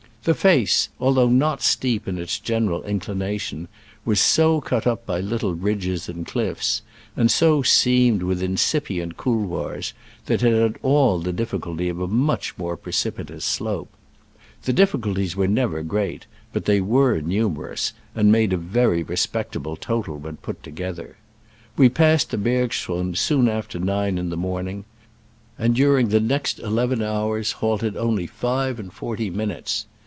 The face, although not steep in its general inclination, was so cut up by little ridges and cliffs, and so seamed with incipient couloirs, that it had all the difficulty of a much more precipitous slope. The dif ficulties were never great, but they were numerous, and made a very respectable total when put together. We passed the bergschrund soon after nine in the morning, and during the next eleven hours halted only five and forty min utes.